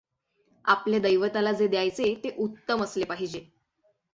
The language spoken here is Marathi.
आपल्या दैवताला जे द्यायचे ते उत्तम असले पाहिजे.